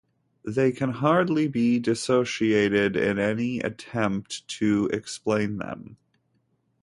They can hardly be dissociated in any attempt to explain them.